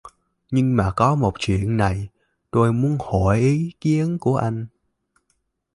Nhưng mà có một chuyện này tôi muốn hỏi ý kiến của anh